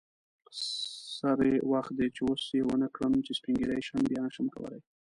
سری وخت دی چی اوس یی ونکړم چی سپین ږیری شم بیا نشم کولی